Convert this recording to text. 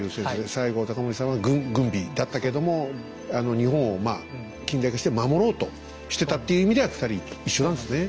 西郷隆盛さんは軍備だったけども日本を近代化して守ろうとしてたっていう意味では２人一緒なんですね。